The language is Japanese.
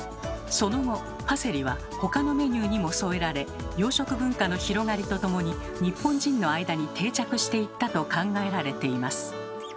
その後パセリは他のメニューにも添えられ洋食文化の広がりとともに日本人の間に定着していったと考えられています。